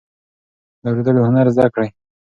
د اوریدلو هنر زده کړئ.